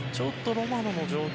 ロマノの状態